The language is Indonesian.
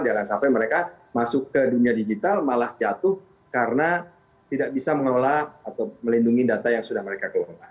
jangan sampai mereka masuk ke dunia digital malah jatuh karena tidak bisa mengelola atau melindungi data yang sudah mereka kelola